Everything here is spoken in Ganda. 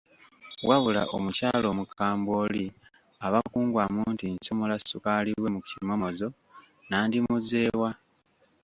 Wabula omukyala omukambwe oli aba kungwamu nti nsomola ssukaali we mu kimomozo nandimuzze wa?